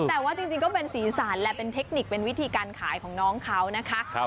แต่ว่าจริงก็เป็นสีสันแหละเป็นเทคนิคเป็นวิธีการขายของน้องเขานะคะ